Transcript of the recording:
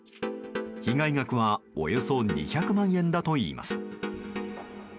被害額はおよそ２００万円だといいます。